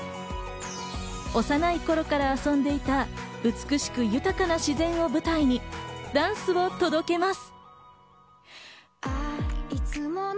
幼い頃から遊んでいた、美しく豊かな自然を舞台にダンスを届けます。